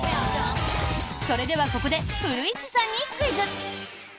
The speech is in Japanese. それではここで古市さんにクイズ。